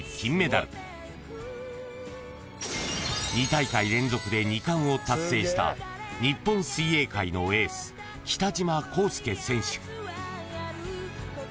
［２大会連続で２冠を達成した日本水泳界のエース北島康介選手］